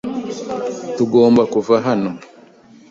Tugomba kuva hano.